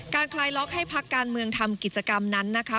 คลายล็อกให้พักการเมืองทำกิจกรรมนั้นนะคะ